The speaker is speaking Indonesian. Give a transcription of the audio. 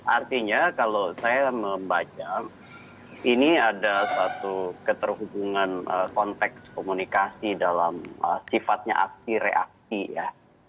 artinya kalau saya membaca ini ada satu keterhubungan konteks komunikasi dalam sifatnya aksi reaksi ya